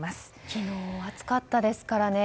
昨日、暑かったですからね。